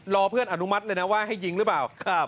เพื่อนอนุมัติเลยนะว่าให้ยิงหรือเปล่า